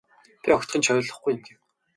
Би огтхон ч ойлгохгүй юм гэв.